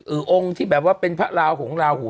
อึองที่แบบว่าเป็นพระราวของราวหู